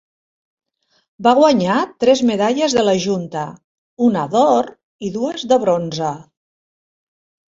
Va guanyar tres medalles de la Junta, una d'or i dues de bronze.